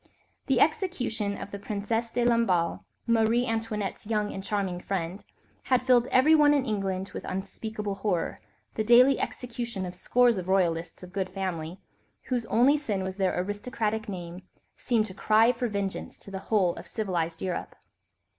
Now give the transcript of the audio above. The execution of the Princesse de Lamballe, Marie Antoinette's young and charming friend, had filled everyone in England with unspeakable horror, the daily execution of scores of royalists of good family, whose only sin was their aristocratic name, seemed to cry for vengeance to the whole of civilised Europe.